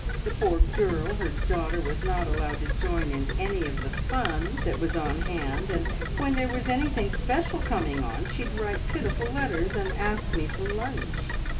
The poor girl, her daughter, was not allowed to join in any of the fun that was on hand, and when there was anything special coming on, she'd write pitiful letters and ask me to lunch.